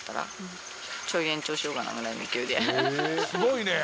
すごいね！